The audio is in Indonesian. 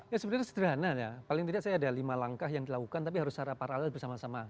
ya sebenarnya sederhana ya paling tidak saya ada lima langkah yang dilakukan tapi harus secara paralel bersama sama